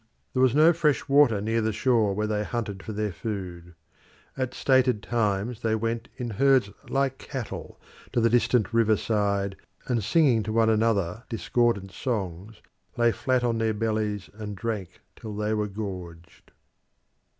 There was no fresh water near the shore where they hunted for their food. At stated times they went in herds like cattle to the distant river side, and singing to one another discordant songs, lay flat on their bellies and drank till they were gorged.